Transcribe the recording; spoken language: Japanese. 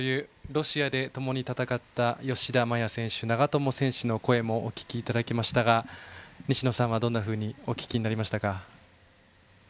ロシアでともに戦った吉田麻也選手、長友選手の声もお聞きいただきましたがどうお聞きになりましたか。